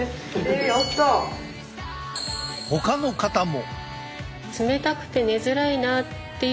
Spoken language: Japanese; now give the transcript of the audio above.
ほかの方も。